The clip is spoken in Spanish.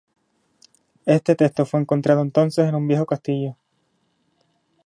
Este texto fue encontrado entonces en un viejo castillo.